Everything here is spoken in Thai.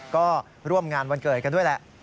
ก็ร่วมงานวันเกิดกันด้วยแหละ